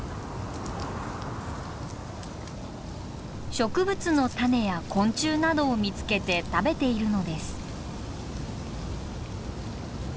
植物の種や昆虫などを見つけて食べているのです。